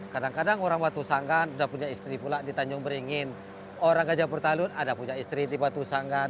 kadang kadang orang batu sanggan sudah punya istri pula di tanjung beringin orang gajah pertalun ada punya istri di batu sanggan